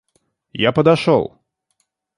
Я подошел.